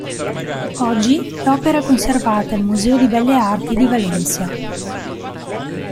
Oggi l'opera è conservata al Museo di belle arti di Valencia.